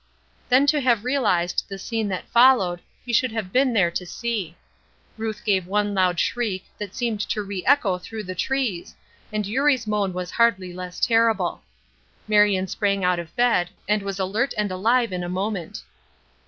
Then to have realized the scene that followed you should have been there to sea. Ruth gave one loud shriek that seemed to re echo through the trees, and Eurie's moan was hardly less terrible. Marion sprang out of bed, and was alert and alive in a moment.